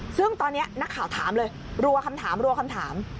ซึ่งตอนนี้นักข่าวถามเลยรัวคำถาม